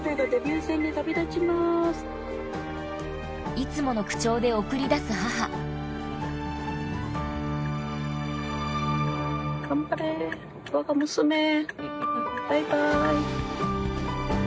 いつもの口調で送り出す母バイバイ。